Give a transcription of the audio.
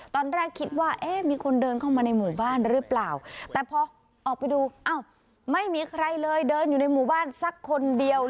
ตอนแรกคิดว่ามีคนเดินเข้ามาในหมู่บ้านหรือเปล่าแต่พอออกไปดูอ้าวไม่มีใครเลยเดินอยู่ในหมู่บ้านสักคนเดียว